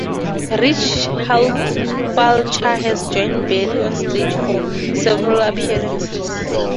Rich Fulcher has joined Berry on stage for several appearances.